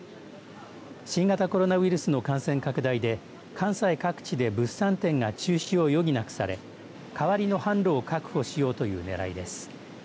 新型コロナウイルスの感染拡大で関西各地で物産展が中止を余儀なくされ代わりの販路を確保しようというねらいです。